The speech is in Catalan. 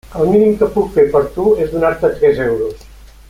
El mínim que puc fer per tu és donar-te tres euros.